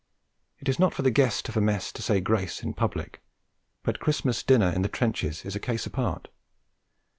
It is not for the guest of a mess to say grace in public; but Christmas dinner in the trenches is a case apart.